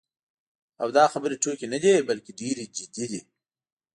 او دا خبرې ټوکې نه دي، بلکې ډېرې جدي دي.